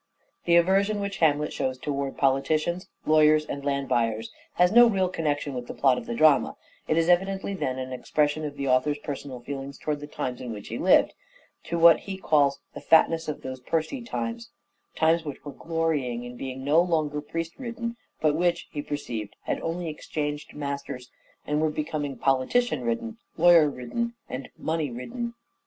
The aversion which Hamlet shows towards politicians, Social and lawyers, and land buyers has no real connection with aversions, the plot of the drama ; it is evidently then an expres sion of the author's personal feelings towards the times in which he lived : to what he calls " the fatness of those pursy times "— times which were glorying in being no longer " priest ridden," but which, he perceived, had only exchanged masters, and were becoming politician ridden, lawyer ridden and money ridden.